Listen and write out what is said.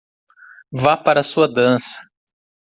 Vá para a sua dança!